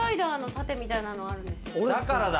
だからだ！